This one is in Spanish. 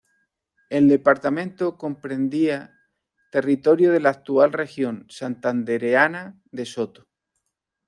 El departamento comprendía territorio de la actual región santandereana de Soto.